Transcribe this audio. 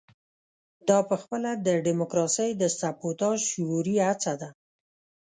دا پخپله د ډیموکراسۍ د سبوتاژ شعوري هڅه ده.